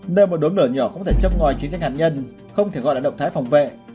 nơi một đốm lửa nhỏ cũng có thể châm ngòi chiến tranh hạt nhân không thể gọi là động thái phòng vệ